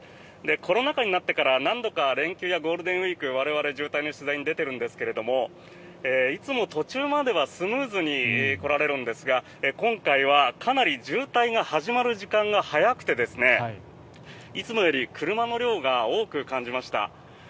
コロナ禍になってから何度か連休やゴールデンウィーク我々、渋滞の取材に出ているんですがいつも途中まではスムーズに来られるんですが今回はかなり渋滞が始まる時間が早くていつもより車の量が多く感じました。